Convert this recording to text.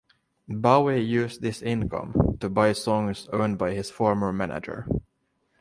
Bowie used this income to buy songs owned by his former manager.